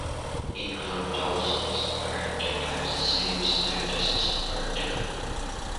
England also aspired to have the same status as Portugal.